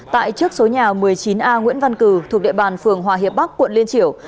tại trước số nhà một mươi chín a nguyễn văn cử thuộc địa bàn phường hòa hiệp bắc quận liên triểu